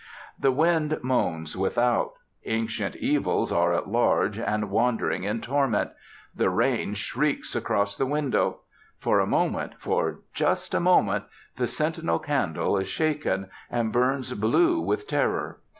The wind moans without; ancient evils are at large and wandering in torment. The rain shrieks across the window. For a moment, for just a moment, the sentinel candle is shaken, and burns blue with terror.